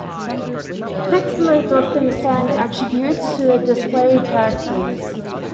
Text modes often assign "attributes" to the displayed characters.